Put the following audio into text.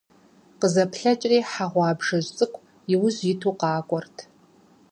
КъызэплъэкӀри - хьэ гъуабжэжь цӀыкӀу иужь иту къакӀуэрт.